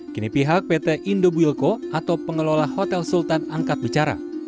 kini pihak pt indobuilko atau pengelola hotel sultan angkat bicara